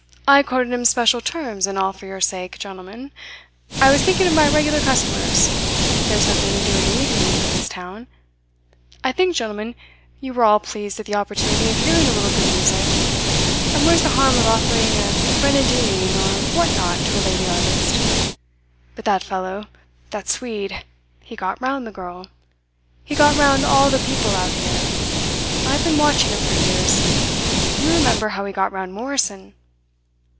I quoted him special terms and all for your sake, gentlemen. I was thinking of my regular customers. There's nothing to do in the evenings in this town. I think, gentlemen, you were all pleased at the opportunity of hearing a little good music; and where's the harm of offering a grenadine, or what not, to a lady artist? But that fellow that Swede he got round the girl. He got round all the people out here. I've been watching him for years. You remember how he got round Morrison."